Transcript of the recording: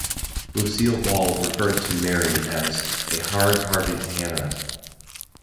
Lucille Ball referred to Mary as a "hard-hearted Hannah".